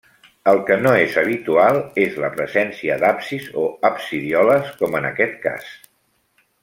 El que no és habitual és la presència d'absis o absidioles, com en aquest cas.